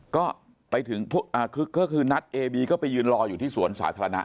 ก็ไปถึงคือก็คือนัดเอบีก็ไปยืนรออยู่ที่สวนสาธารณะ